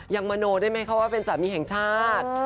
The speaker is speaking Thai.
มโนได้ไหมคะว่าเป็นสามีแห่งชาติ